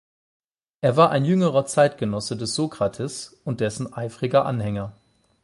Er war ein jüngerer Zeitgenosse des Sokrates und dessen eifriger Anhänger.